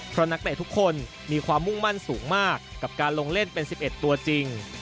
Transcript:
เพราะนักเตะทุกคนมีความมุ่งมั่นสูงมากกับการลงเล่นเป็น๑๑ตัวจริง